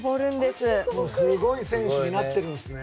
すごい選手になってるんですね。